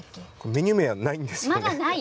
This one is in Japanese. メニュー名はないです。